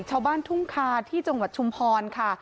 ชาวบ้านทุ่งคาที่จังหวัดชุมพรค่ะ